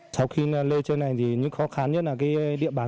sau khi lên trên này những khó khăn nhất là địa bàn